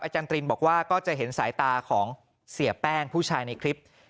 ตรินบอกว่าก็จะเห็นสายตาของเสียแป้งผู้ชายในคลิป